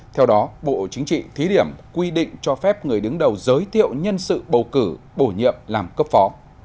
theo đó bộ chính trị thí điểm quy định cho phép người đứng đầu giới thiệu nhân sự bầu cử bổ nhiệm làm cấp phó